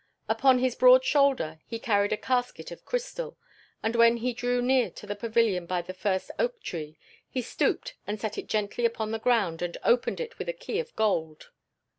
Upon his broad shoulder he carried a casket of crystal, and when he drew near to the pavilion by the first oak tree, he stooped and set it gently upon the ground and opened it with a key of gold.